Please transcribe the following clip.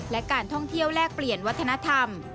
และการท่องเที่ยวแลกเปลี่ยนวัฒนธรรม